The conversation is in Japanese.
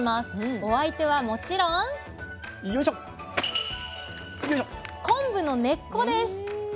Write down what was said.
お相手はもちろん昆布の根っこです。